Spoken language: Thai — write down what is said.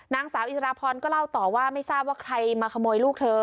นางสาวอิสราพรก็เล่าต่อว่าไม่ทราบว่าใครมาขโมยลูกเธอ